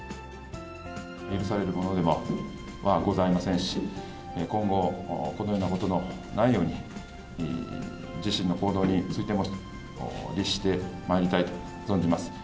許されるものではございませんし、今後、このようなことのないように、自身の行動についても律してまいりたいと存じます。